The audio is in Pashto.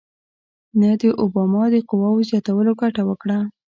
نه د اوباما د قواوو زیاتولو ګټه وکړه.